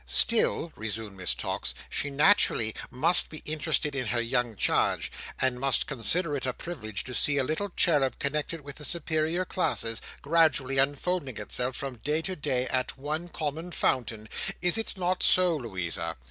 "Still," resumed Miss Tox, "she naturally must be interested in her young charge, and must consider it a privilege to see a little cherub connected with the superior classes, gradually unfolding itself from day to day at one common fountain—is it not so, Louisa?"